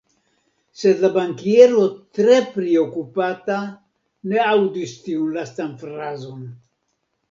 Sed la bankiero tre priokupata ne aŭdis tiun lastan frazon.